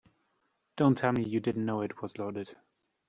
Don't tell me you didn't know it was loaded.